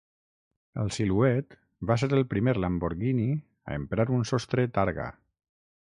El Silhouette va ser el primer Lamborghini a emprar un sostre targa.